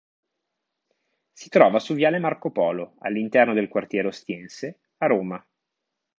Si trova su viale Marco Polo, all'interno del quartiere Ostiense, a Roma.